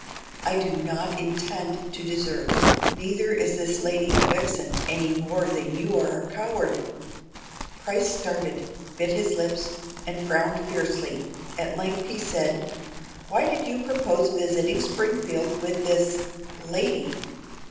I do not intend to desert, neither is this lady a vixen any more than you are a coward." Price started, bit his lips, and frowned fiercely. At length he asked: "Why did you propose visiting Springfield with this——lady?"